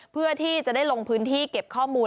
เพื่อที่จะได้ลงพื้นที่เก็บข้อมูล